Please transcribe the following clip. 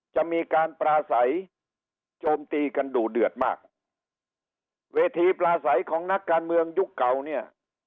จะมีการปลาใสโจมตีกันดูเดือดมากเวทีปลาใสของนักการเมืองยุคเก่าเนี่ย